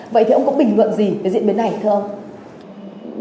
vậy thì ông có bình luận gì về diễn biến này thưa ông